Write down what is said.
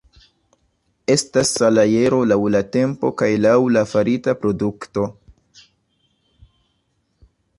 Estas salajro laŭ la tempo kaj laŭ la farita produkto.